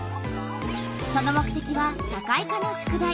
その目てきは社会科の宿題。